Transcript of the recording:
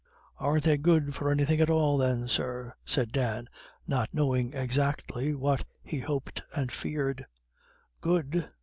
"Aren't they good for anythin' at all then, sir?" said Dan, not knowing exactly what he hoped and feared. "Good?